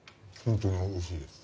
本当においしいです。